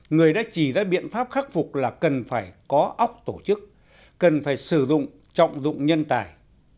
người đã chỉ ra biện pháp khắc phục là cần phải có ốc tổ chức cần phải sử dụng trọng dụng nhân tài